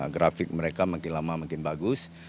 grafik mereka makin lama makin bagus